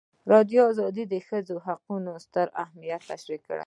ازادي راډیو د د ښځو حقونه ستر اهميت تشریح کړی.